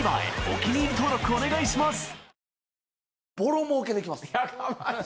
お気に入り登録お願いします